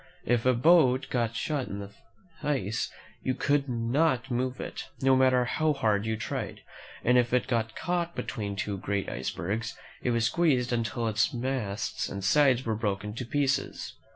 If a boat got shut in the ice, you could not move it, no matter how hard you tried; and if it got caught between two great icebergs, it was squeezed until its masts and sides were broken to pieces.